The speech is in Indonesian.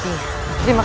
kau mencari dua blati